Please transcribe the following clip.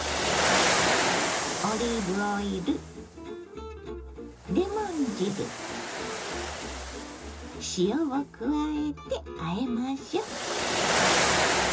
オリーブオイルレモン汁塩を加えてあえましょ。